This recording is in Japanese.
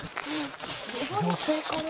「女性かな？」